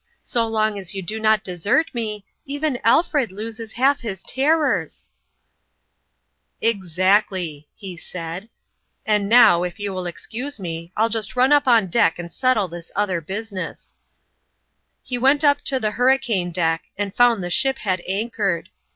So long as you do not desert me, even Alfred loses half his terrors !"" Exactly," he said ;" and now, if you will excuse me, I'll just run up on deck and settle this other business." in l)is own Coin. 153 He went up to the hurricane deck, and found the ship had anchored.